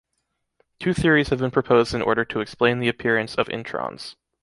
Two theories have been proposed in order to explain the appearance of introns.